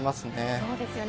そうですよね。